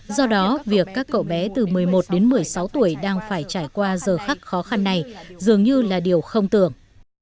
do đó việc các cậu bé từ một mươi một đến một mươi sáu tuổi đang phải trải qua giờ khắc khó khăn này dường như là điều không tưởng